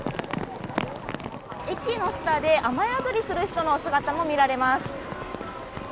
駅の下で、雨宿りする人の姿も見られます。